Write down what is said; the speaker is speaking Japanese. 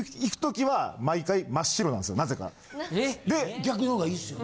逆の方がいいっすよね。